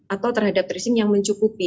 atau terhadap tracing yang mencukupi